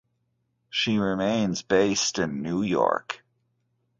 She remains based in New York.